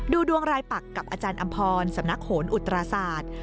ดวงรายปักกับอาจารย์อำพรสำนักโหนอุตราศาสตร์